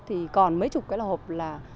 thì còn mấy chục cái là hộp là